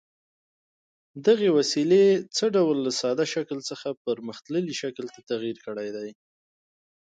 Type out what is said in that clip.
دغې وسیلې څه ډول له ساده شکل څخه پرمختللي شکل ته تغیر کړی دی؟